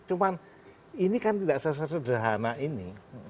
cuman ini kan tidak sesederhana ini